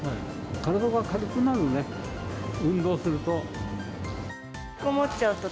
体が軽くなるね、運動すると。